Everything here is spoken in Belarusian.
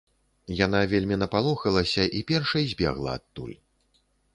Яна вельмі напалохалася і першай збегла адтуль.